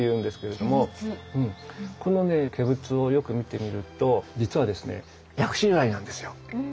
このね化仏をよく見てみると実はですね薬師如来なんですよ。